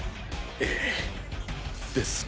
ええですが。